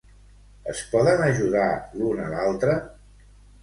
Es poden ajudar l'un a l'altre?